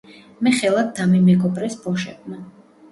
მე ხელად დამიმეგობრეს ბოშებმა